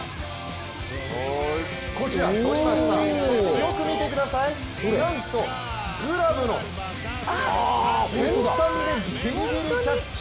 こちら取りました、そしてよく見てください、なんとグラブの先端でギリギリキャッチ。